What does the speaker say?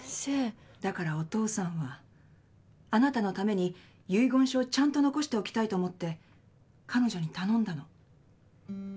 だからお父さんはあなたのために遺言書をちゃんと残しておきたいと思って彼女に頼んだの。